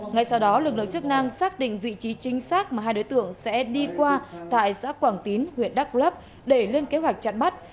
ngay sau đó lực lượng chức năng xác định vị trí chính xác mà hai đối tượng sẽ đi qua tại xã quảng tín huyện đắk lấp để lên kế hoạch chặn bắt